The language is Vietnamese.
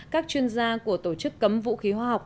các chuyên gia của tổ chức cấm vũ khí hóa học